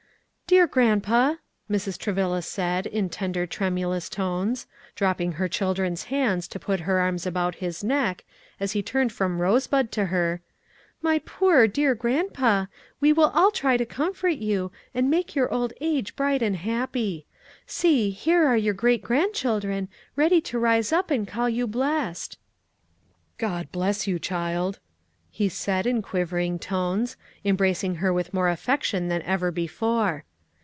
"Dear grandpa," Mrs. Travilla said, in tender, tremulous tones, dropping her children's hands to put her arms about his neck, as he turned from Rosebud to her, "my poor, dear grandpa, we will all try to comfort you, and make your old age bright and happy. See, here are your great grandchildren ready to rise up and call you blessed." "God bless you, child!" he said, in quivering tones, embracing her with more affection than ever before.